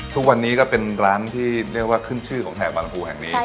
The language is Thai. ทุกวันนี้ก็เป็นร้านที่เรียกว่าขึ้นชื่อของแถบบางลำพูแห่งนี้